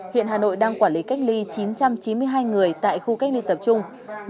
hiện hà nội đang quản lý cách ly chín trăm chín mươi hai người tại khu cách ly tập trung